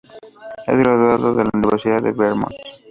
Es graduado de la Universidad de Vermont.